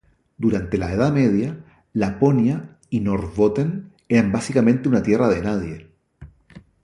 Durante la Edad Media, Laponia y Norrbotten eran básicamente una tierra de nadie.